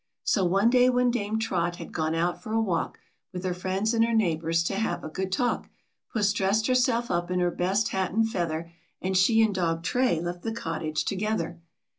So one day when Dame Trot had gone out for a walk, With her friends and her neighbors to have a good talk. Puss dressed herself up in her best hat and leather, And she and dog Tray left the cottage together.